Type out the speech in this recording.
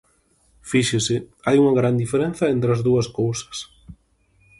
Fíxese, hai unha gran diferenza entre as dúas cousas.